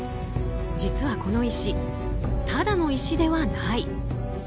実はこの石、ただの石ではない。